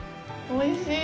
おいしい！